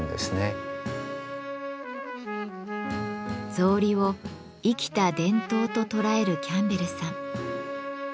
草履を「生きた伝統」と捉えるキャンベルさん。